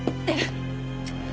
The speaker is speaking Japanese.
えっ！？